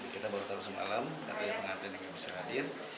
kita baru tahu semalam nanti pengantin juga bisa hadir